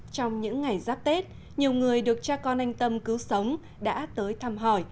trong những ngày giáp tết nhiều người được cha con anh tâm cứu sống đã tới thăm hỏi